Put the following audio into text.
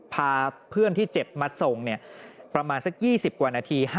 พาเพื่อนที่เจ็บมาส่งประมาณสัก๒๐กว่านาที